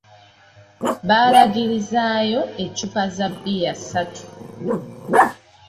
Baalagirizaayo eccupa za bbiya ssatu.